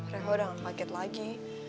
reho udah nggak paket lagi